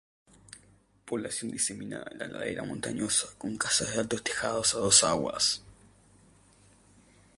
Población diseminada en la ladera montañosa, con casas de altos tejados a dos aguas.